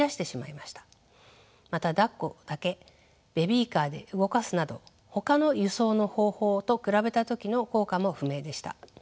まただっこだけベビーカーで動かすなどほかの輸送の方法と比べた時の効果も不明でした。